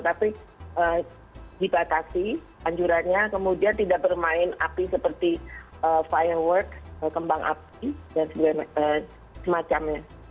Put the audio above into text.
tapi dibatasi anjurannya kemudian tidak bermain api seperti firework kembang api dan semacamnya